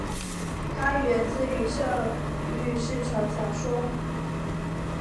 它源自于效率市场假说。